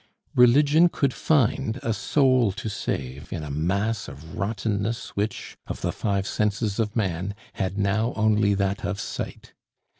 Religion could find a soul to save in a mass of rottenness which, of the five senses of man, had now only that of sight.